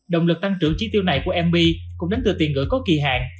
động lực tăng trưởng chi tiêu này của mv cũng đến từ tiền gửi có kỳ hàng